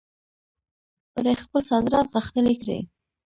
پرې خپل صادرات غښتلي کړي.